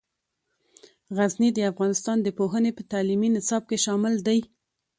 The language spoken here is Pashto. غزني د افغانستان د پوهنې په تعلیمي نصاب کې شامل دی.